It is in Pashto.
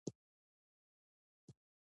د موټروان د جواز معاینه باید تازه وي.